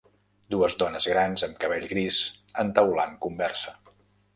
Dues dones grans amb cabell gris entaulant conversa.